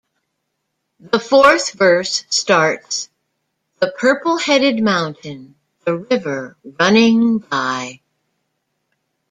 The fourth verse starts "The purple headed mountain, the river running by".